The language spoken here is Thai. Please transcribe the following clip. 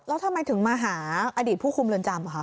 แล้วทำไมถึงมาหาอดีตผู้คุมเรือนจำคะ